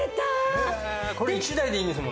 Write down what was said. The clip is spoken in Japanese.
へえこれ一台でいいんですもんね。